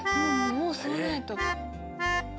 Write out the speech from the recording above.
もう吸わないと。